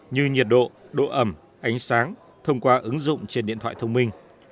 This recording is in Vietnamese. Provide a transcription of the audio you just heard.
như nhiệt độ độ ẩm ánh sáng thông qua ứng dụng trên điện thoại thông minh